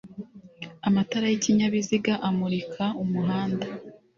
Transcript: amatara y'ikinyabiziga amurika umuhanda